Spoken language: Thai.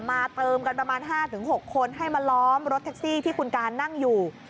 มาเติมกันประมาณ๕๖คนให้มาล้อมรถแท็กซี่ที่คุณการนั่งอยู่